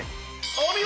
お見事！